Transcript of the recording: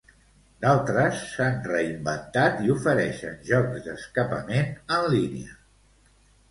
D'altres s'han reinventat i ofereixen jocs d'escapament en línia.